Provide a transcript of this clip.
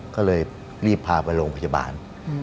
ก็เลยรีบพาไปโรงพยาบาล